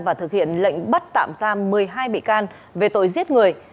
và thực hiện lệnh bắt tạm giam một mươi hai bị can về tội giết người